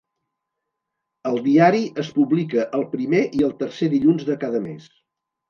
El diari es publica el primer i el tercer dilluns de cada mes.